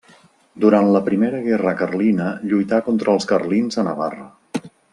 Durant la Primera Guerra Carlina lluità contra els carlins a Navarra.